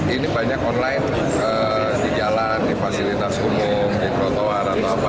ini banyak online di jalan di fasilitas umum di trotoar atau apa